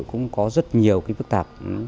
cũng có rất nhiều phức tạp